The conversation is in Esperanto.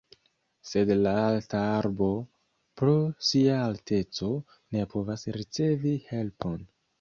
Sed la alta arbo, pro sia alteco, ne povas ricevi helpon.